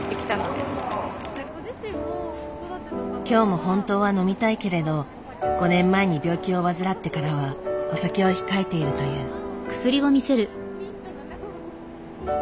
今日も本当は飲みたいけれど５年前に病気を患ってからはお酒を控えているという。